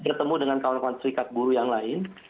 bertemu dengan kawalan kawalan serikat buruh yang lain